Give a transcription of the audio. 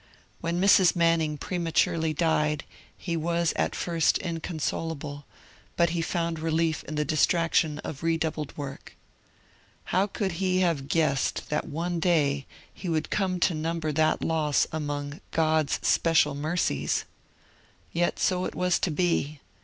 When Mrs. Manning prematurely died, he was at first inconsolable, but he found relief in the distraction of redoubled work. How could he have guessed that one day he would come to number that loss among 'God's special mercies? Yet so it was to be.